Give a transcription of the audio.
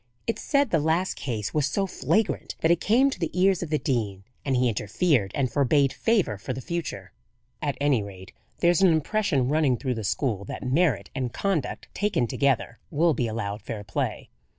It's said the last case was so flagrant that it came to the ears of the dean, and he interfered and forbade favour for the future. At any rate, there's an impression running through the school that merit and conduct, taken together, will be allowed fair play."